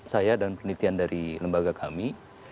saya dan penelitian dari lembaga kami